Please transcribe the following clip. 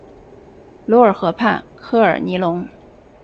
卢尔河畔科尔尼隆。